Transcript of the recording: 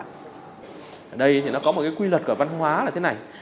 ở đây thì nó có một cái quy luật của văn hóa là thế này